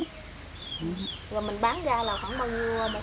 rồi mình bán ra là khoảng bao nhiêu một đồ bí vậy